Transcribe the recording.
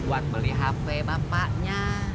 buat beli hp bapaknya